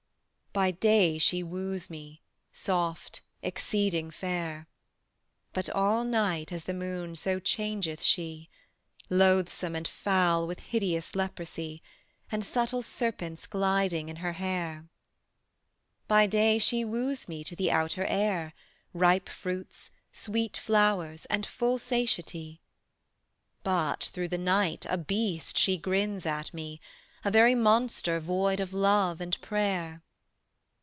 By day she wooes me, soft, exceeding fair: But all night as the moon so changeth she; Loathsome and foul with hideous leprosy, And subtle serpents gliding in her hair. By day she wooes me to the outer air, Ripe fruits, sweet flowers, and full satiety: But through the night, a beast she grins at me, A very monster void of love and prayer.